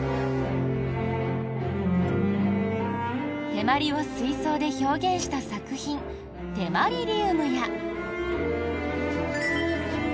手毬を水槽で表現した作品手毬リウムや。